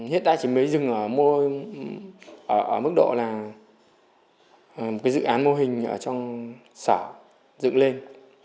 hiện tại chỉ mới dừng ở mức độ là một dự án mô hình ở trong sở dựng lên